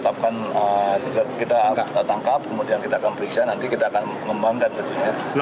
enam orang kita tangkap kemudian kita akan periksa nanti kita akan membangun